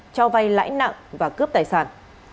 cho vay lãi nặng và cướp tài sản